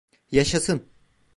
Yaşasın.